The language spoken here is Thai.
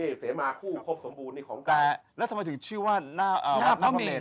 นี่เสมาคู่ควบสมบูรณ์ของกฤษแล้วทำไมถูกชื่อว่าน่าพระเมน